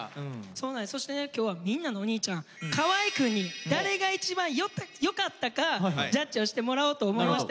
そしてね今日はみんなのおにいちゃん河合くんに誰が一番良かったかジャッジをしてもらおうと思いまして。